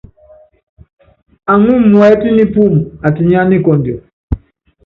Aŋɔ́ muɛ́t nipúum atinyá nikɔndiɔ.